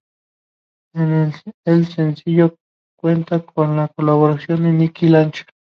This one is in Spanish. El sencillo cuenta con la colaboración de "Nick Lachey".